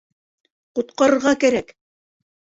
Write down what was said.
Ҡотҡарырға кәрәк.